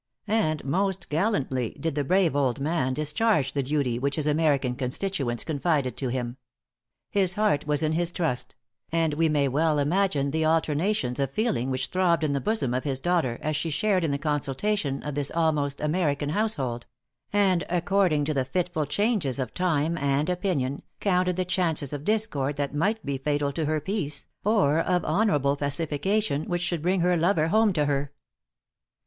And most gallantly did the brave old man discharge the duty which his American constituents confided to him. His heart was in his trust; and we may well imagine the alternations of feeling which throbbed in the bosom of his daughter, as she shared in the consultations of this almost American household; and according to the fitful changes of time and opinion, counted the chances of discord that might be fatal to her peace, or of honorable pacification which should bring her lover home to her.